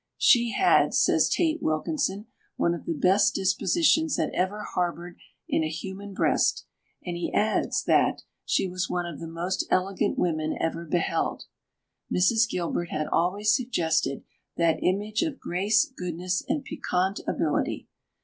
"She had," says Tate Wilkinson, "one of the best dispositions that ever harboured in a human breast"; and he adds that "she was one of the most elegant women ever beheld." Mrs. Gilbert[Pg 376] has always suggested that image of grace, goodness, and piquant ability.